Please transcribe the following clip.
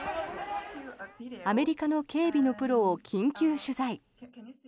アメリカの警備のプロを緊急取材。